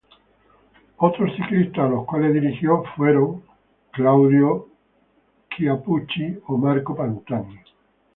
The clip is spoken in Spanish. Otros ciclistas a los cuales dirigió fueran Claudio Chiappucci o Marco Pantani.